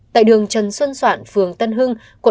tại đường trần xuân soạn phường tân hưng quận bảy